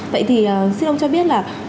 vậy thì xin ông cho biết là